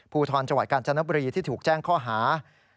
ภูทรจังหวัดกาญจนบุรีที่ถูกแจ้งข้อหา